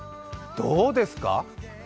どうですか？